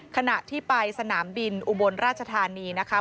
ขณะที่ไปสนามบินอุบลราชธานีนะคะ